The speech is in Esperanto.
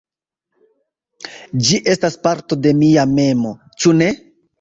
Ĝi estas parto de mia memo, ĉu ne?